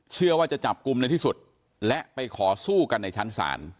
เชื่อว่าจะจับกลุ่มในที่สุดและไปขอสู้กันในชั้นศาล